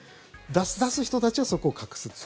出す人たちはそこを隠すっていう。